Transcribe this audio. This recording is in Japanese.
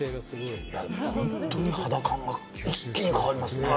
本当に肌感が一気に変わりますね。